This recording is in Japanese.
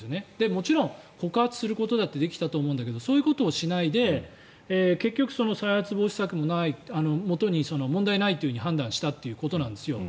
もちろん、告発することだってできたと思うんだけどそういうことをしないで結局、再発防止策もない問題ないと判断したということなんですよ。